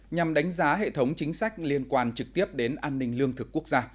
nhằm đánh giá hệ thống chính sách liên quan trực tiếp đến an ninh lương thực quốc gia